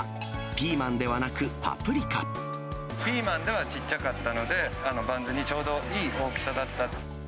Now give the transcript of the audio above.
ピーマンではちっちゃかったので、バンズにちょうどいい大きさだった。